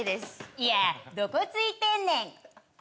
いやどこ着いてんねん。